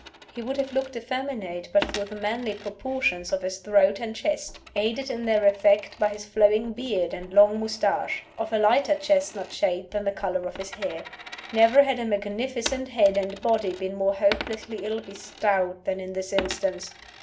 He would have looked effeminate but for the manly proportions of his throat and chest, aided in their effect by his flowing beard and long mustache, of a lighter chestnut shade than the color of his hair. Never had a magnificent head and body been more hopelessly ill bestowed than in this instance!